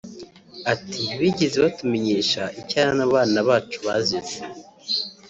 Ati” Ntibigeze batumenyesha icyo abana bacu bazize